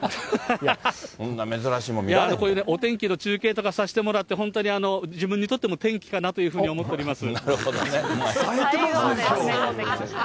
こういうお天気の中継とかさしてもらって、本当に自分にとっても天気かなというふうに思っております。